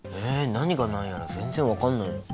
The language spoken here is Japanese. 何が何やら全然分かんないよ。